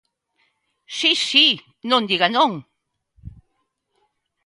Si, si, non diga non.